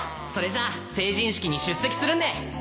それじゃ成人式に出席するんで